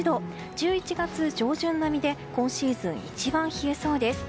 １１月上旬並みで今シーズン一番冷えそうです。